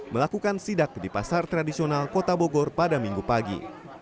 melakukan sidak di pasar tradisional kota bogor pada minggu pagi